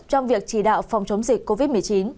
trong việc chỉ đạo phòng chống dịch covid một mươi chín